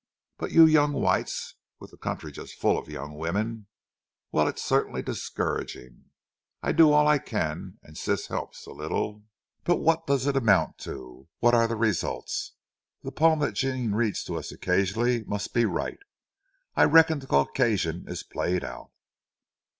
But you young whites—with the country just full of young women—well, it's certainly discouraging. I do all I can, and Sis helps a little, but what does it amount to—what are the results? That poem that Jean reads to us occasionally must be right. I reckon the Caucasian is played out."